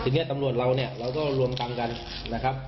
ทีนี้ตำรวจเราเนี่ยเราก็รวมตังค์กันนะครับ